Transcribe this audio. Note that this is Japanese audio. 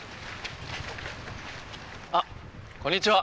あっこんにちは。